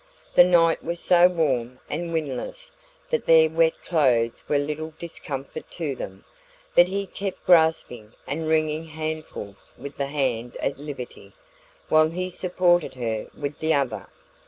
The night was so warm and windless that their wet clothes were little discomfort to them, but he kept grasping and wringing handfuls with the hand at liberty, while he supported her with the other.